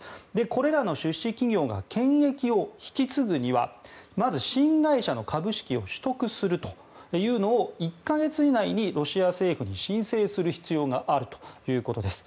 これらの出資企業が権益を引き継ぐにはまず新会社の株式を取得するというのを１か月以内にロシア政府に申請する必要があるということです。